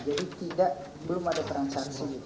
jadi tidak belum ada transaksi